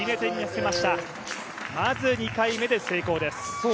まず２回目で成功です。